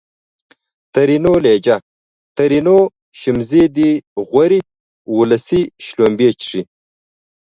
ترينو لهجه ! ترينو : شمزې دي غورې اولسۍ :شلومبې چښې